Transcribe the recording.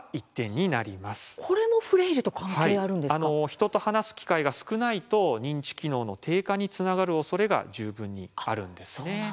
人と話す機会が少ないと認知機能の低下につながるおそれが十分にあるんですね。